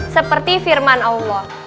seperti firman allah